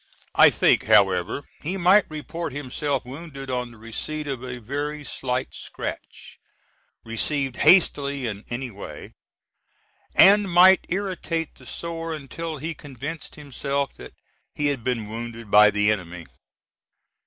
I think, however, he might report himself wounded on the receipt of a very slight scratch, received hastily in any way, and might irritate the sore until he convinced himself that he had been wounded by the enemy.